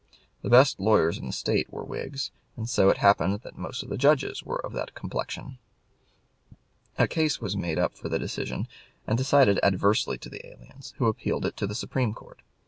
The best lawyers in the State were Whigs, and so it happened that most of the judges were of that complexion. A case was made up for decision and decided adversely to the aliens, who appealed it to the Supreme Court.